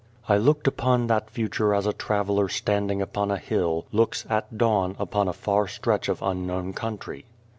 I looked upon that future as a traveller standing upon a hill looks at dawn upon a far stretch of unknown country.